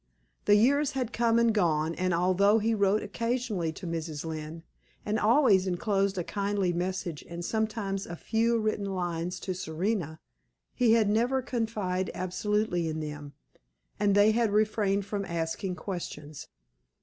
The years had come and gone, and although he wrote occasionally to Mrs. Lynne, and always inclosed a kindly message and sometimes a few written lines to Serena, he had never confided absolutely in them, and they had refrained from asking questions.